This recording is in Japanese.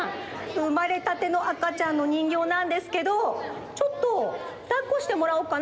うまれたての赤ちゃんのにんぎょうなんですけどちょっとだっこしてもらおっかな？